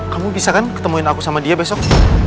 kamu bisa kan ketemuin aku sama dia besok